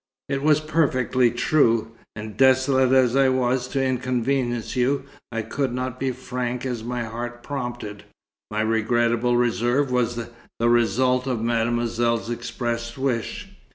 It was perfectly true. And desolated as I was to inconvenience you, I could not be as frank as my heart prompted. My regrettable reserve was the result of Mademoiselle's expressed wish.